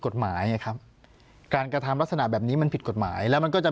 กฎหมายไงครับการกระทำลักษณะแบบนี้มันผิดกฎหมายแล้วมันก็จะ